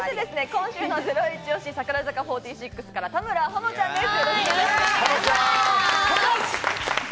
今週のゼロイチ推し、櫻坂４６から田村保乃ちゃんです。